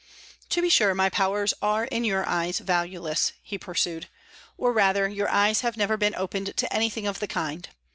"To be sure, my powers are in your eyes valueless," he pursued; "or rather, your eyes have never been opened to anything of the kind.